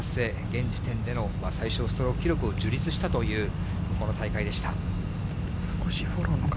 現時点での最少ストローク記録を樹立したというこの大会でした。